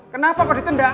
kenapa kau ditendang